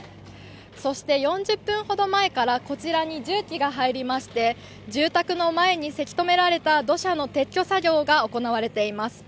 そして４０分ほど前からこちらに重機が入りまして住宅の前にせき止められた土砂の撤去作業が行われています。